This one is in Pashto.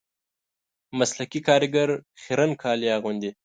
مسلکي کاریګر خیرن کالي اغوندي